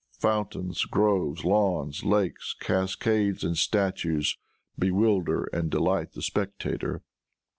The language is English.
Fountains, groves, lawns, lakes, cascades and statues, bewilder and delight the spectator.